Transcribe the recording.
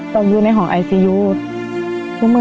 ลองกันถามอีกหลายเด้อ